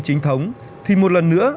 chính thống thì một lần nữa